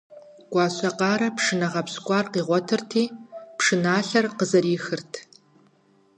Гуащэкъарэ пшынэ гъэпщкӀуар къигъуэтырти, пшыналъэр къызэрихырт.